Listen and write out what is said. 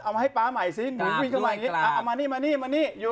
เอาให้ป๊าใหม่ซิมานี่มานี่